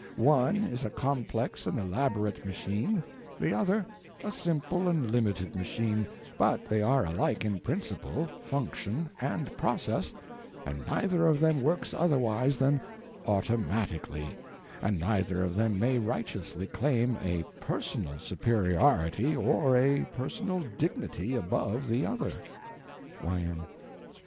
One is a complex and elaborate machine, the other a simple and limited machine, but they are alike in principle, function, and process, and neither of them works otherwise than automatically, and neither of them may righteously claim a _personal _superiority or a personal dignity above the other. Y.M.